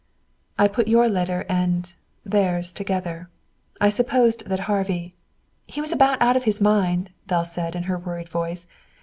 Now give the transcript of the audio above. "I put your letter and theirs, together. I supposed that Harvey " "He was about out of his mind," Belle said in her worried voice.